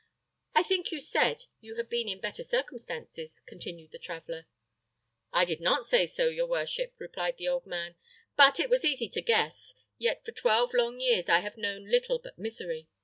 "I think you said that you had been in better circumstances?" continued the traveller. "I did not say so, your worship," replied the old man, "but it was easy to guess; yet for twelve long years have I known little but misery.